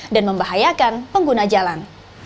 dan membahayakan pengguna jalan